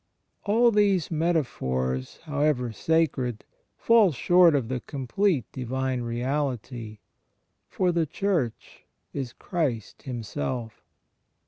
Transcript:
All these meta phors, however sacred, fall short of the complete Divine reality. For the Church is Christ Himself.